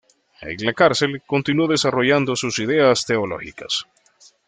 En la cárcel, continuó desarrollando sus ideas teológicas.